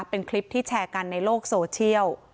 เป็นคลิปที่แชร์กันในโลกโซเชียล